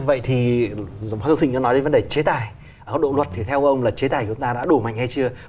vậy thì giám sát xin cho nói đến vấn đề chế tài